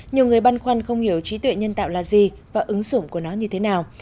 nhiều người băn khoăn không hiểu trí tuệ nhân tạo là gì và ứng dụng của nó như thế nào